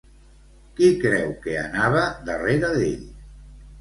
Qui creu que anava darrere d'ell?